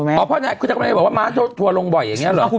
ม้าถัวลงบ่อยอย่างนี่เหรอ